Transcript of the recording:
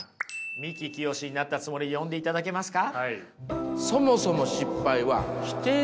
三木清になったつもりで読んでいただけますか。